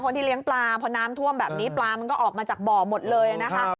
ที่เลี้ยงปลาพอน้ำท่วมแบบนี้ปลามันก็ออกมาจากบ่อหมดเลยนะคะ